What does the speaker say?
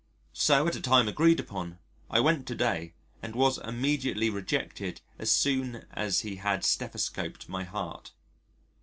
So at a time agreed upon, I went to day and was immediately rejected as soon as he had stethoscoped my heart.